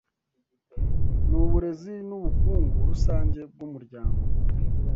nuburezi nubukungu rusange bw’umuryango